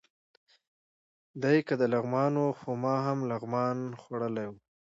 دی که د لغمان و، نو ما هم لغمان خوړلی و.